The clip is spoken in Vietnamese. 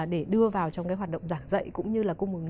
để đưa vào trong cái hoạt động giảng dạy cũng như là cung ứng